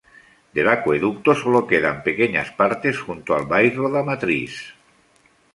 Del acueducto sólo quedan pequeñas partes junto al Bairro da Matriz.